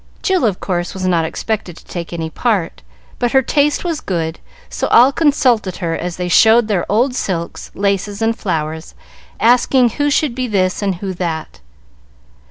Jill, of course, was not expected to take any part, but her taste was good, so all consulted her as they showed their old silks, laces, and flowers, asking who should be this, and who that.